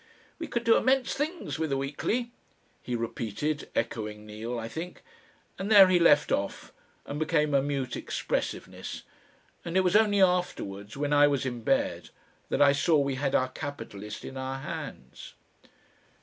"We could do immense things with a weekly," he repeated, echoing Neal, I think. And there he left off and became a mute expressiveness, and it was only afterwards, when I was in bed, that I saw we had our capitalist in our hands....